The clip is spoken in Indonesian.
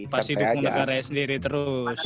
pasti dukung negara sendiri terus